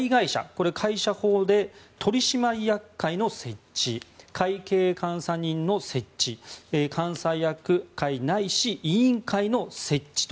これ、会社法で取締役会の設置会計監査人の設置監査役会ないし委員会の設置と。